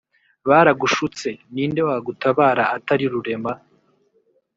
baragushutse ninde wagutabara atari rurema